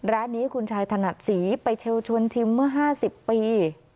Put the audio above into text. ร้านนี้คุณชายถนัดสีไปเชี่ยวชวนชิมเมื่อห้าสิบปี